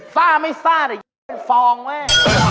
ฟ้าไม่ซ่าแต่เป็นฟองแม่